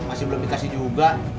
masih belum dikasih juga